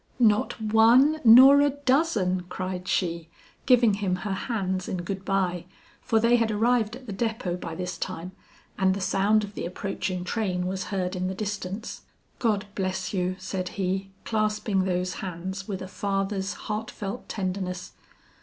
"Not one nor a dozen," cried she, giving him her hands in good bye for they had arrived at the depot by this time and the sound of the approaching train was heard in the distance. "God bless you!" said he, clasping those hands with a father's heartfelt tenderness.